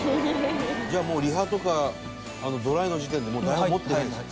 じゃあもうリハとかドライの時点でもう台本持ってないんですか？